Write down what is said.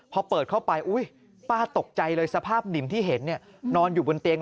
พอเปิดเข้าไปป้าตกใจเลยสภาพดินที่เห็นนอนอยู่บนเตียง